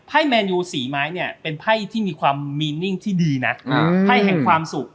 ไพ่แมนยูสีไม้เนี้ยเป็นไพ่ที่มีความที่ดีน่ะอืมไพ่แห่งความสุข